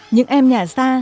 những em nhà xa